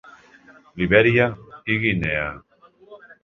Libèria i Guinea.